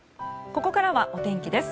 ここからはお天気です。